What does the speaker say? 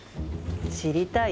知りたい？